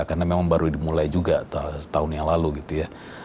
karena memang baru dimulai juga tahun yang lalu gitu ya